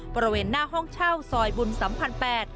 บริเวณหน้าห้องเช่าซอยบุญสัมพันธ์๘